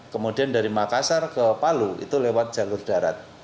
kemudian dari makassar ke palu itu lewat jalur darat